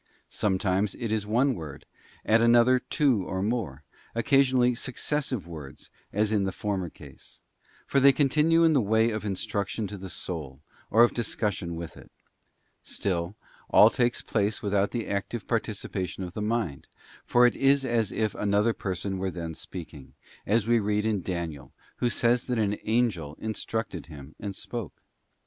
Sometimes it is one word, at another two or more, and occa sionally successive words, as in the former case: for they continue in the way of instruction to the soul, or of discussion with it. Still all takes place without the active participation of the mind, for it is asif another person were then speaking, as we read in Daniel, who says that an Angel instructed him and spoke.